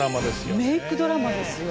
メイクドラマですよ。